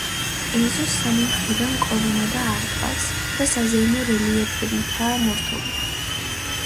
ეზოს სამი მხრიდან კოლონადა არტყავს და საზეიმო რელიეფებითაა მორთული.